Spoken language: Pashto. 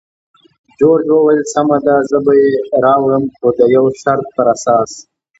جورج وویل: سمه ده، زه به یې راوړم، خو د یو شرط پر اساس.